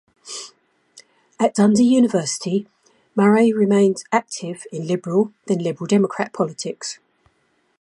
At Dundee University, Murray remained active in Liberal then Liberal Democrat politics.